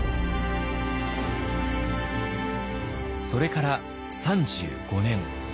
それから３５年。